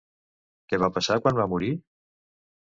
Què va passar quan va morir?